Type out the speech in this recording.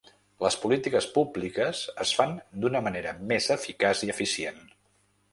Les polítiques públiques es fan d’una manera més eficaç i eficient.